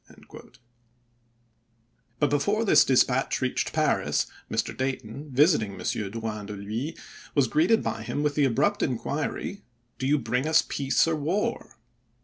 A?864.22' But before this dispatch reached Paris, Mr. Day ton, visiting M. Drouyn de PHuys, was greeted by him with the abrupt inquiry, " Do you bring us peace or war